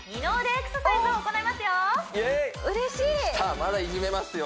まだいじめますよ！